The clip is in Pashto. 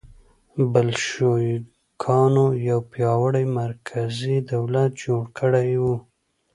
بلشویکانو یو پیاوړی مرکزي دولت جوړ کړی و.